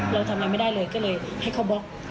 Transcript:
เราทำอะไรไม่ได้เลยก็เลยให้เขาบล็อก